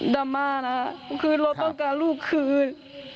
ดราม่าเราก็ต้องการลูกคืน